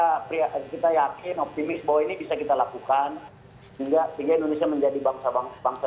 sehingga indonesia menjadi bangsa bangsa